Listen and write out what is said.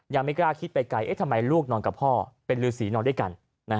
ยังไม่กล้าคิดไปไกลทำไมลูกนอนกับพ่อเป็นฤษีนอนด้วยกัน